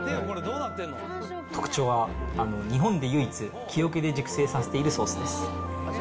特徴は、日本で唯一、木桶で熟成させているソースです。